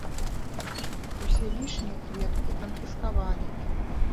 Усе лішнія кветкі канфіскавалі.